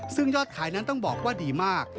ซึ่งยอดขายนั้นต้องบอกว่าดีมาก